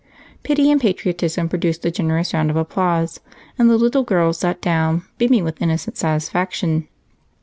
Pity and patriotism produced a generous round of applause, and the little girls sat down, beaming with innocent satisfaction.